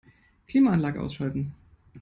Klimaanlage ausschalten.